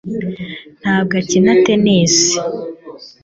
ntabwo ukina tennis